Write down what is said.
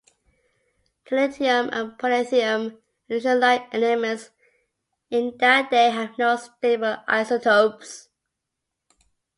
Technetium and promethium are unusual light elements in that they have no stable isotopes.